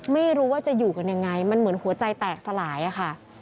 ไม่รู้ว่าจะอยู่กันยังไงมันเหมือนหัวใจแตกสลายอะค่ะ